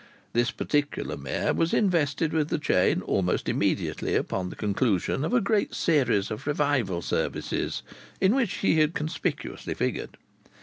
This particular mayor was invested with the chain almost immediately upon the conclusion of a great series of revival services in which he had conspicuously figured.